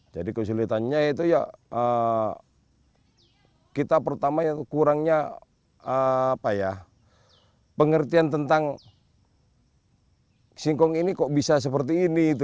jadi kesulitannya itu ya kita pertama kurangnya pengertian tentang singkong ini kok bisa seperti ini